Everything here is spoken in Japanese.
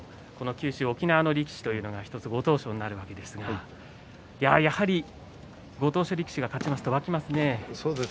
九州沖縄の力士というのが１つご当所になるわけですがやはりご当所力士が勝つと沸きますね。